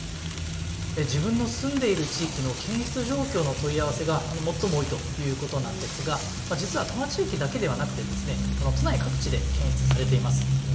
自分の住んでいる地域の検出状況の問い合わせが最も多いということなんですが実は多摩地域だけではなく都内各地で検出されています。